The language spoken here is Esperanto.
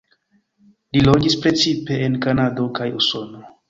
Li loĝis precipe en Kanado kaj Usono.